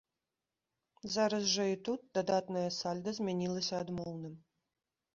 Зараз жа і тут дадатнае сальда змянілася адмоўным.